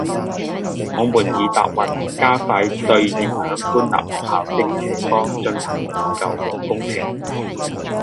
我們已答允加快對影響官立學校的斜坡進行研究和工程